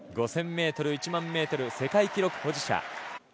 ５０００ｍ、１００００ｍ世界記録保持者。